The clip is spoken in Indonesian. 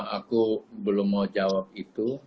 aku belum mau jawab itu